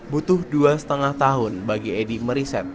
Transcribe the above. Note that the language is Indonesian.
butuh dua lima tahun bagi edy meriset